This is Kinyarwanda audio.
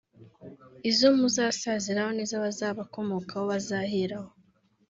izo muzasaziraho ni zo abazabakomokaho bazaheraho